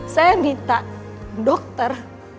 saya minta dokter